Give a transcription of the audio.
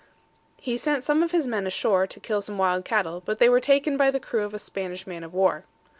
He sent some of his men ashore to kill some wild cattle, but they were taken by the crew of a Spanish man of war.